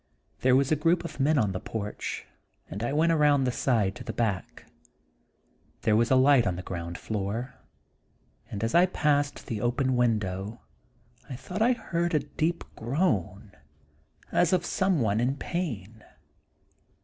There was a group of men on the porch, and I went around the side to the back. There was a light on the ground floor, and as I passed the open window I thought I heard a deep Dr. Jekyll and Mr. Hyde. 31 groan, as of some one in pain.